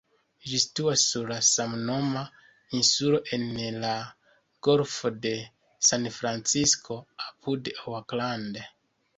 Ĝi situas sur la samnoma insulo en la Golfo de San-Francisko apud Oakland.